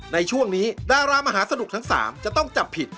ในช่วงนี้ดารามหาสนุกทั้ง๓จะต้องจับผิด